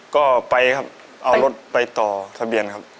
ก็ไปครับเอารถไปต่อทะเบียนครับ